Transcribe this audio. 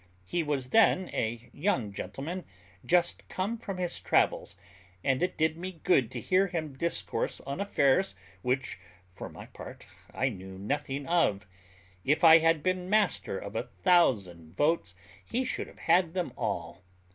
He was then a young gentleman just come from his travels; and it did me good to hear him discourse on affairs which, for my part, I knew nothing of. If I had been master of a thousand votes he should have had them all.